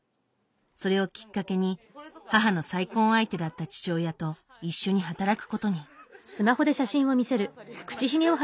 それをきっかけに母の再婚相手だった父親と一緒に働くことに。